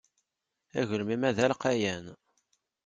Agelmim-a d alqayan.